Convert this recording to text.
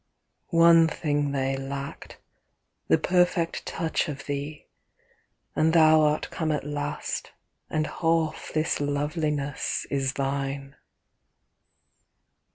One thing they lacked: the perfect touch Of thee and thou art come at last, And half this loveliness is thine.